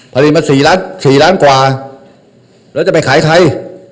ผลิตมา๔ล้าน๔ล้านกว่าแล้วจะไปขายใคร